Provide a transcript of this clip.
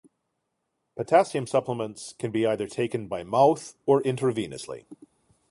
Potassium supplements can be either taken by mouth or intravenously.